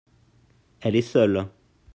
elle est seule.